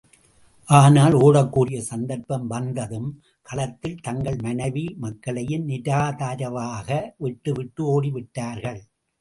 ஆனால், ஓடக் கூடிய சந்தர்ப்பம் வந்ததும், களத்தில் தங்கள் மனைவி, மக்களையும் நிராதரவாக விட்டு விட்டு ஓடி விட்டார்கள்.